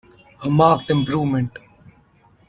A marked improvement.